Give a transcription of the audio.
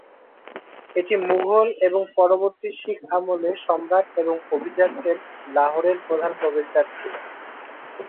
এটি মুঘল এবং পরবর্তী শিখ আমলে সম্রাট এবং অভিজাতদের লাহোরের প্রধান প্রবেশদ্বার ছিল।